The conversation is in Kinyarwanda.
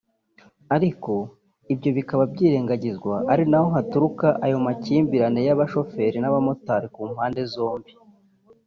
Ariko ibyo bikaba byirengagizwa ari naho haturuka ayo makimbiranye y’abashoferi n’abamotari ku mpande zombi